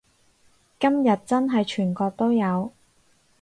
今日真係全國都有